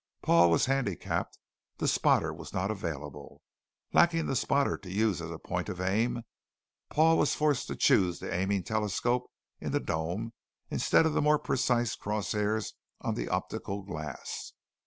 Paul was handicapped. The spotter was not available. Lacking the spotter to use as a point of aim, Paul was forced to choose the aiming telescope in the dome instead of the more precise cross hairs on the optical glass.